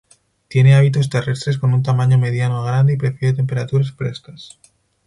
Tiene hábitos terrestres con un tamaño mediano a grande y prefiere temperaturas frescas.